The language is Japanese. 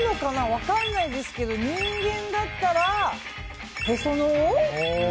分からないですけど人間だったらへその緒？